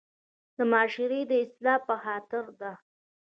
د معاشري د اصلاح پۀ خاطر ده